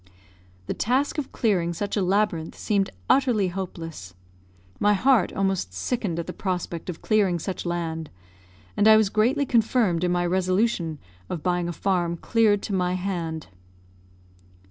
The task of clearing such a labyrinth seemed utterly hopeless. My heart almost sickened at the prospect of clearing such land, and I was greatly confirmed in my resolution of buying a farm cleared to my hand.